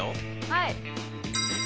はい。